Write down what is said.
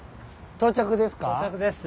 到着ですね。